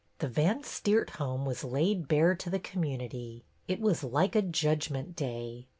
The Van Steert home was laid bare to the community. It was like a judgment day.